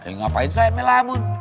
ngapain saya melamun